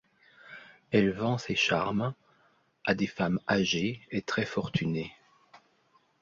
Elle vend ses charmes a des femmes âgées et très fortunées.